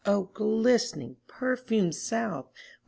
O glistening, perfumed South!